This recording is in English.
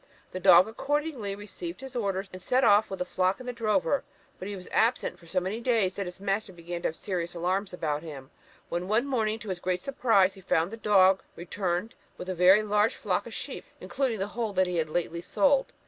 The dog accordingly received his orders, and set off with the flock and the drover; but he was absent for so many days that his master began to have serious alarms about him, when one morning, to his great surprise, he found the dog returned with a very large flock of sheep, including the whole that he had lately sold.